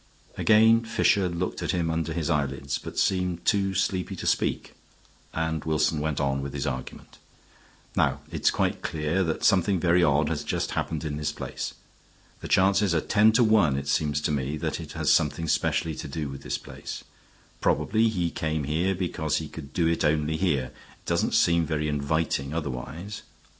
Again Fisher looked at him under his eyelids, but seemed too sleepy to speak, and Wilson went on with his argument. "Now it's quite clear that something very odd has just happened in this place. The chances are ten to one, it seems to me, that it had something specially to do with this place. Probably he came here because he could do it only here; it doesn't seem very inviting otherwise.